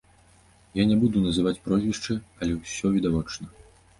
Я не буду называць прозвішчы, але ўсё відавочна.